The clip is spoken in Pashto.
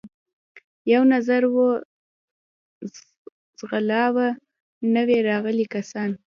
یو نظر و ځغلاوه، نوي راغلي کسان یې.